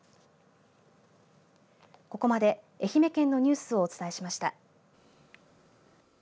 ここまで、愛媛県のニュースをお伝えしました。